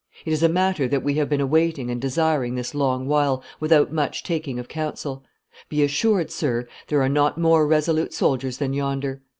It is a matter that we have been awaiting and desiring this long while, without much taking of counsel; be assured, sir, there are not more resolute soldiers than yonder.